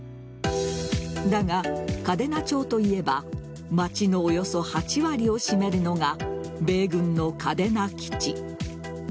だが、嘉手納町といえば町のおよそ８割を占めるのが米軍の嘉手納基地。